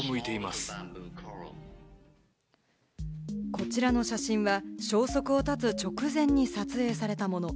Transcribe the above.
こちらの写真は消息を絶つ直前に撮影されたもの。